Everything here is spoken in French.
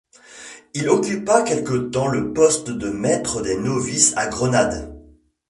Il occupa quelque temps le poste de maître des novices à Grenade.